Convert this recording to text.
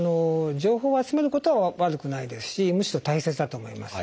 情報を集めることは悪くないですしむしろ大切だと思います。